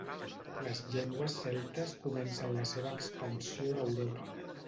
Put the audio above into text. Les llengües celtes comencen la seva expansió a Europa.